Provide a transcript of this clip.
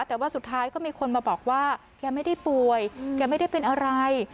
แต่ว่าสุดท้ายก็มีคนมาบอกว่าแกไม่ได้ป่วยแกไม่ได้เป็นอะไร